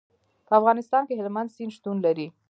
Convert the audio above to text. په افغانستان کې هلمند سیند شتون لري.